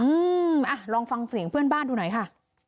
อืมอ่ะลองฟังเสียงเพื่อนบ้านดูหน่อยค่ะ